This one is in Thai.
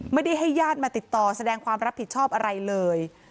ไม่ได้ให้ญาติมาติดต่อแสดงความรับผิดชอบอะไรเลย